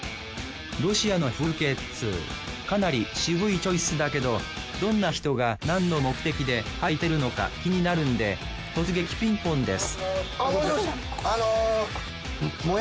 ロシアの風景っつうかなりシブいチョイスだけどどんな人が何の目的で描いてるのか気になるんで突撃ピンポンですもしもし